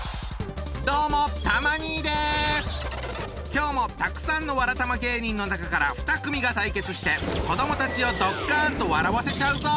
今日もたくさんのわらたま芸人の中から２組が対決して子どもたちをドッカンと笑わせちゃうぞ！